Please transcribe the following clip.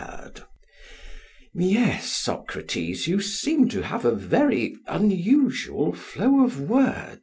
PHAEDRUS: Yes, Socrates, you seem to have a very unusual flow of words.